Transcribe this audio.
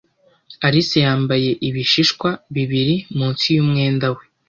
Alice yambaye ibishishwa bibiri munsi yumwenda we.